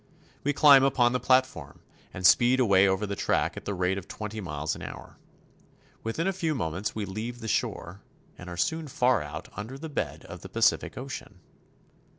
We climb upon the platform, and speed away over the track at the rate of twenty miles an hour. Within a few moments we leave the shore, and are soon far out under the bed of the Pacific Ocean.